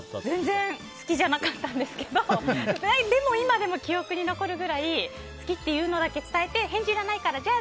全然好きじゃなかったんですけどでも今でも記憶に残るぐらい好きっていうのだけ伝えて返事いらないから、